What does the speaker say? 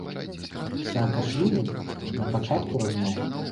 Саакашвілі на пачатку размовы.